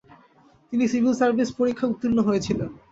তিনি civil service পরীক্ষায় উত্তীর্ণ হয়েছিলেন।